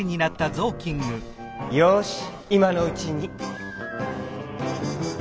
よしいまのうちに。